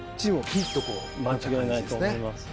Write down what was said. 間違いないと思います。